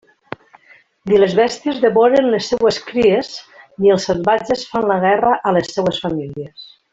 Ni les bèsties devoren les seues cries, ni els salvatges fan la guerra a les seues famílies.